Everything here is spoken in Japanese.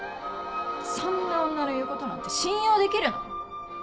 そんな女の言う事なんて信用できるの？